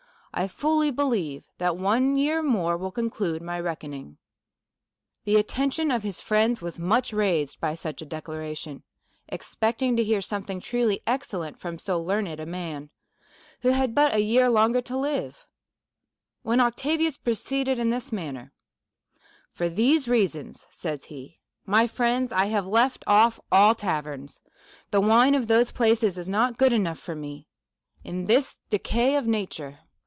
1 fully believe that one year more will conclude my reckoning." The attention of his friends was much raised by such a declaration, expecting to hear something truly excellent from so learned a man, who had but a year longer to live ; when Octavius proceeded in this man ner :" For these reasons," says he, '' my friends, I have left off all taverns ; the Avine of those places is not good enough for me in this decay of nature.